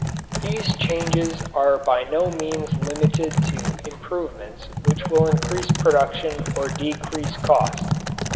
These changes are by no means limited to improvements which will increase production or decrease cost.